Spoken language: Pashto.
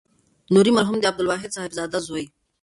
نوري مرحوم د عبدالواحد صاحبزاده زوی.